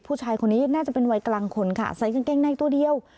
ผู้ชายคนนี้น่าจะเป็นวัยกลางคนค่ะใส่กางเกงในตัวเดียว